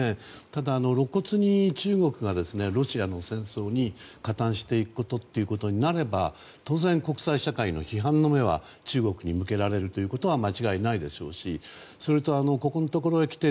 ただ、露骨に中国がロシアの戦争に加担していくことになれば当然国際社会の非難の目は中国に向けられることは間違いないでしょうしこのところになって